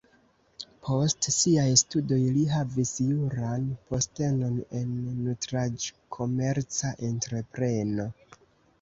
Post siaj studoj li havis juran postenon en nutraĵkomerca entrepreno.